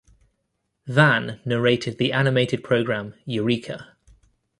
Van narrated the animated program Eureka!